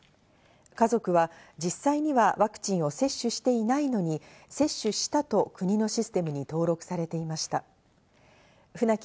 家族は実際にはワクチンを接種していないのに、接種したと国のシステムに登録されていました。